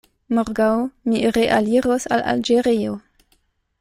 Morgaŭ mi realiros al Alĝerio.